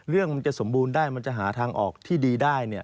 เรื่องมันจะสมบูรณ์ได้มันจะหาทางออกที่ดีได้เนี่ย